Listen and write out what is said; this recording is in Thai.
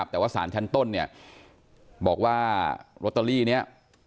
แต่ว่าสารชั้นต้นบอกว่าลอตเตอรี่นี้